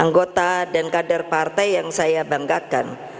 anggota dan kader partai yang saya banggakan